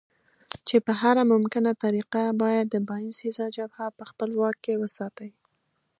چې په هره ممکنه طریقه باید د باینسېزا جبهه په خپل واک کې وساتي.